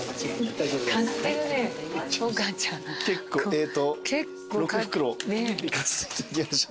えっと６袋いかせていただきました。